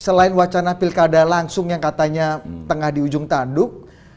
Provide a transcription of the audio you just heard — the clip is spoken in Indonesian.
selain wacana pilkada langsung yang katanya tengah di ujung tanduk